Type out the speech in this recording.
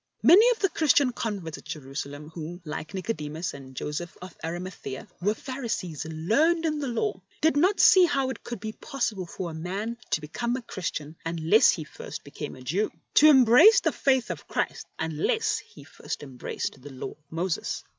Many of the Christian converts at Jerusa lem, who, like Nicodemus and Joseph of 4 50 LIFE OF ST. Arimathea, were Pharisees learned in the Law, did not see how it could be possible for a man to become a Christian unless he first became a Jew — to embrace the Faith of Christ unless he first embraced the Law of Moses.